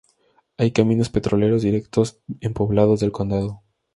Hay caminos petroleros directos en poblados del condado.